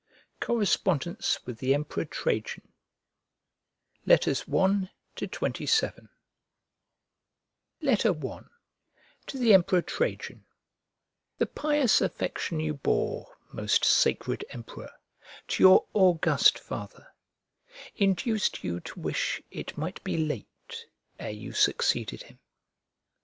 ] CORRESPONDENCE WITH THE EMPEROR TRAJAN I TO THE EMPEROR TRAJAN THE pious affection you bore, most sacred Emperor, to your august father induced you to wish it might be late ere you succeeded him.